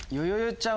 ちゃん。